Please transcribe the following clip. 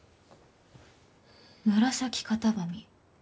「ムラサキカタバミ」。